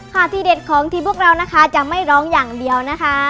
ที่เด็ดของทีมพวกเรานะคะจะไม่ร้องอย่างเดียวนะคะ